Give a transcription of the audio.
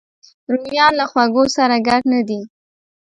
رومیان له خوږو سره ګډ نه دي